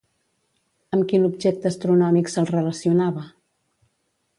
Amb quin objecte astronòmic se'l relacionava?